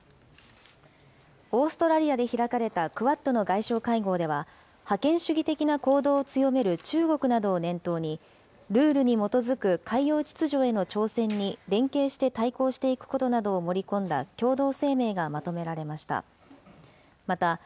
オーストラリアで開かれたクアッドの外相会合では、覇権主義的な行動を強める中国などを念頭に、ルールに基づく海洋秩序への挑戦に連携して対抗していくことなどを盛り込んだ共同声明がまとめられました。